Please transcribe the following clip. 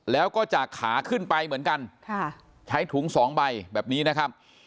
แล้วก็จากขาขึ้นไปเหมือนกันใช้ถุงสองใบแบบนี้นะครับ